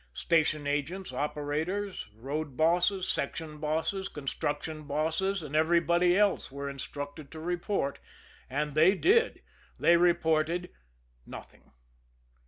Station agents, operators, road bosses, section bosses, construction bosses and everybody else were instructed to report and they did. They reported nothing.